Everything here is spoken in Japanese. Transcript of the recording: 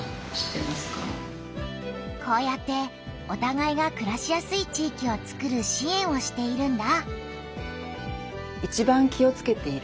こうやっておたがいがくらしやすい地域をつくる支援をしているんだ。